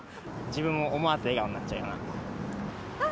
自分も思わず笑顔になっちゃあ！